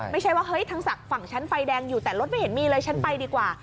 ไม่ใช่ว่าทางศักดิ์ฝั่งชั้นไฟแดงอยู่แต่รถไม่เห็นมีเลยชั้นไปดีกว่า